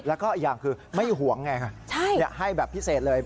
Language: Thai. แล้วก็อีกอย่างคือไม่ห่วงไงให้แบบพิเศษเลย